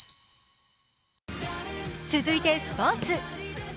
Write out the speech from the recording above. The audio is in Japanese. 続いてスポーツ。